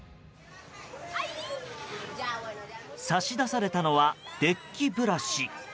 差し出されたのはデッキブラシ。